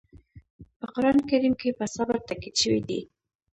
په قرآن کریم کې په صبر تاکيد شوی دی.